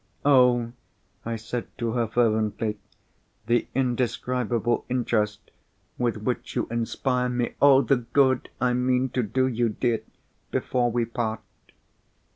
"Oh!" I said to her, fervently, "the indescribable interest with which you inspire me! Oh! the good I mean to do you, dear, before we part!"